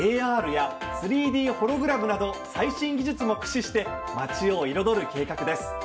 ＡＲや３Ｄホログラムなど最新技術も駆使して街を彩る計画です。